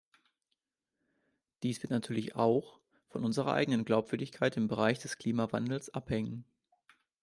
Dies wird natürlich auch von unserer eigenen Glaubwürdigkeit im Bereich des Klimawandels abhängen.